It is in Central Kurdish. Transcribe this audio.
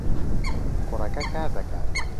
کوڕەکە کار دەکات.